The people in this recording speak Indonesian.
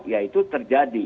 ya itu terjadi